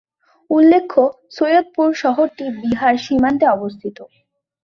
উল্লেখ্য সৈয়দপুর শহরটি বিহার সীমান্তে অবস্থিত।